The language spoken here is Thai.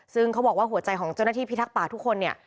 ซึ่งเขาบอกว่าหัวใจของเจ้าหน้าที่พิทักษ์ป่าทุกคนเนี่ย